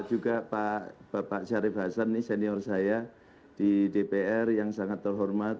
juga pak bapak syarif hasan ini senior saya di dpr yang sangat terhormat